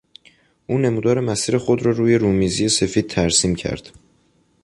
او نمودار مسیر خود را روی رومیزی سفید ترسیم کرد.